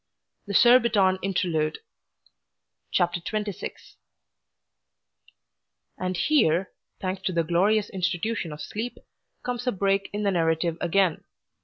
THE SURBITON INTERLUDE And here, thanks to the glorious institution of sleep, comes a break in the narrative again.